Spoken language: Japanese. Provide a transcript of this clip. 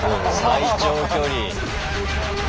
最長距離！